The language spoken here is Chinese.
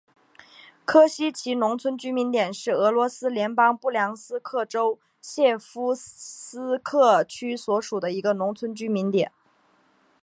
科西齐农村居民点是俄罗斯联邦布良斯克州谢夫斯克区所属的一个农村居民点。